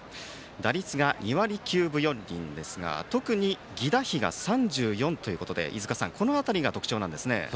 打率が２割９分４厘ですが特に犠打飛が３４ということでこの辺りが特徴ですね。